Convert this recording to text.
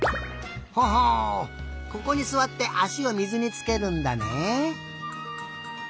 ほほうここにすわってあしを水につけるんだね。